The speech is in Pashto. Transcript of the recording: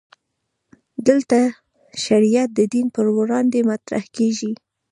دلته شریعت د دین پر وړاندې مطرح کېږي.